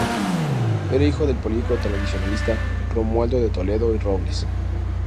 Era hijo del político tradicionalista Romualdo de Toledo y Robles.